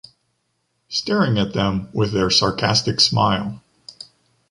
Staring at them with their sarcastic smile.